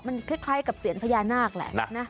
มันคล้ายกับเสียญพญานาคแหละนะ